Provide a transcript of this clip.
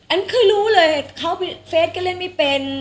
เคยรู้เลยเขาเฟสก็เล่นไม่เป็น